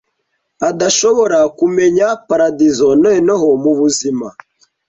adashobora kumenya paradizo noneho mubuzima